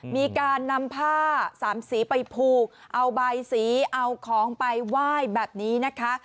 มีการนำผ้าสามสีไปผูกเอาใบสีเอาของไปไหว้แบบนี้นะคะ